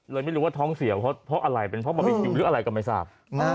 ไม่รู้ว่าท้องเสียวเพราะอะไรเป็นเพราะบาร์บีคิวหรืออะไรก็ไม่ทราบ